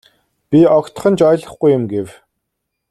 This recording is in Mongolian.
Би огтхон ч ойлгохгүй юм гэв.